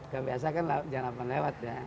kebiasa kan jam delapan lewat ya